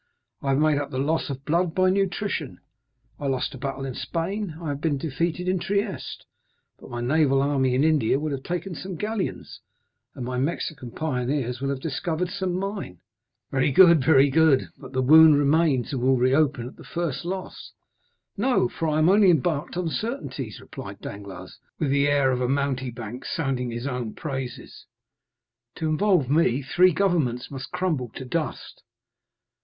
I have made up the loss of blood by nutrition. I lost a battle in Spain, I have been defeated in Trieste, but my naval army in India will have taken some galleons, and my Mexican pioneers will have discovered some mine." "Very good, very good! But the wound remains and will reopen at the first loss." "No, for I am only embarked in certainties," replied Danglars, with the air of a mountebank sounding his own praises; "to involve me, three governments must crumble to dust."